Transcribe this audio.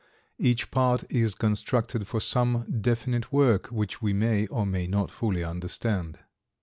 Each part is constructed for some definite work, which we may or may not fully understand.